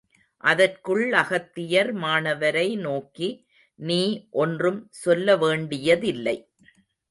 அதற்குள் அகத்தியர், மாணவரை நோக்கி, நீ ஒன்றும் சொல்ல வேண்டியதில்லை.